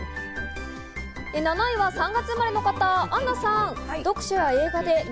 ７位は３月生まれの方、アンナさん。